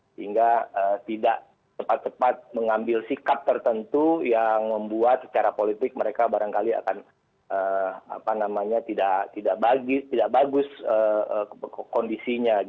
sehingga tidak cepat cepat mengambil sikap tertentu yang membuat secara politik mereka barangkali akan tidak bagus kondisinya